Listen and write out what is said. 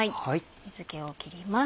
水気を切ります。